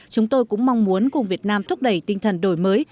chúng tôi cũng mong muốn cùng việt nam thúc đẩy tinh thần đổi mới